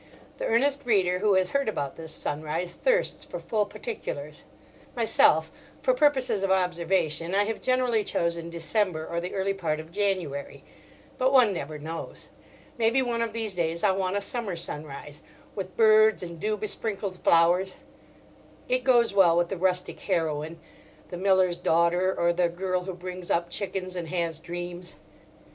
The earnest reader who has heard about this sunrise thirsts for full particulars. Myself, for purposes of observation, I have generally chosen December or the early part of January. But one never knows. Maybe one of these days I'll want a summer sunrise, with birds and dew besprinkled flowers: it goes well with the rustic heroine, the miller's daughter, or the girl who brings up chickens and has dreams.